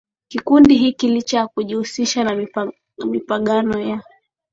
kikundi hiki licha ya kujihusisha na mapigano ya